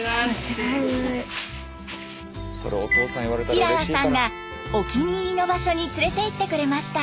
きららさんがお気に入りの場所に連れて行ってくれました。